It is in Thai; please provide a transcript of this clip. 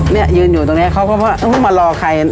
เนี่ยยืนอยู่ตรงนี้เค้าก็พึ่งมารอใคร